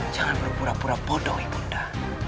jangan berpura pura bodoh ibu buddha